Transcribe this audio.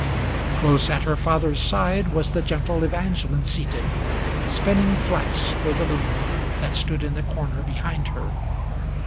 Close at her father's side was the gentle Evangeline seated, Spinning flax for the loom, that stood in the corner behind her.